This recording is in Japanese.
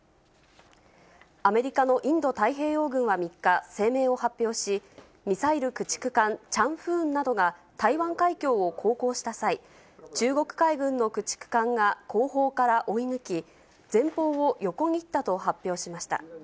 アメリカのインド太平洋軍は３日、声明を発表し、ミサイル駆逐艦チャンフーンなどが、台湾海峡を航行した際、中国海軍の駆逐艦が後方から追い抜き、前方を横切ったと発表しました。